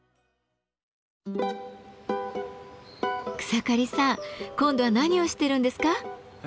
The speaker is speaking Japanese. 草刈さん今度は何をしてるんですか？